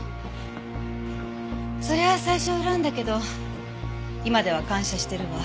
そりゃ最初は恨んだけど今では感謝してるわ。